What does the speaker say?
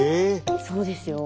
そうですよ。